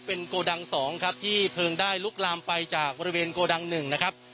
เป็นโกดัง๒ครับที่เพลิงได้ลุกลามไปจากบริเวณโกดัง๑นะครับ